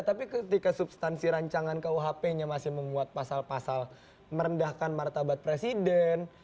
tapi ketika substansi rancangan rkuhpnya masih membuat pasal pasal merendahkan martabat presiden